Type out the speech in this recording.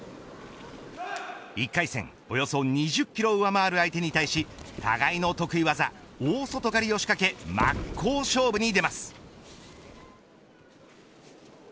１回戦およそ２０キロ上回る相手に対し互いの得意技、大外刈をしかけ真っ向勝負に出ます。